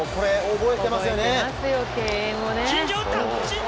覚えてますよ！